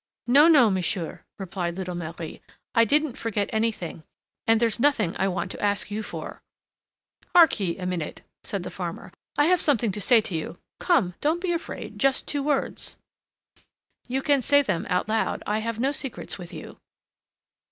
"No, no, monsieur," replied little Marie, "I didn't forget anything, and there's nothing I want to ask you for " "Hark ye a minute," said the farmer, "I have something to say to you! Come! don't be afraid just two words." "You can say them out loud. I have no secrets with you."